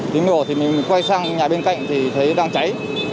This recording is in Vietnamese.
tiếng nổ thì mình quay sang nhà bên cạnh thì thấy đang cháy